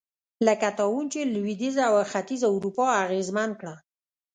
لکه طاعون چې لوېدیځه او ختیځه اروپا اغېزمن کړه.